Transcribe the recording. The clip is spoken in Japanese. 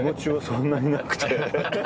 そんなになくて。